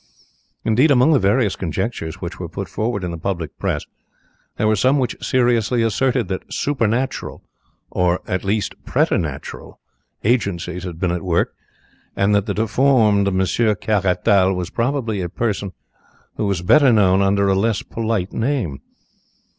Indeed, among the various conjectures which were put forward in the public Press, there were some which seriously asserted that supernatural, or, at least, preternatural, agencies had been at work, and that the deformed Monsieur Caratal was probably a person who was better known under a less polite name.